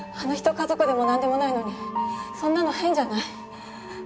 家族でも何でもないのにそんなの変じゃない？